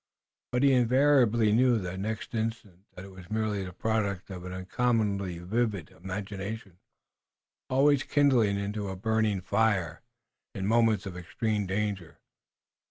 But he invariably knew the next instant that it was merely the product of an uncommonly vivid imagination, always kindling into a burning fire in moments of extreme danger.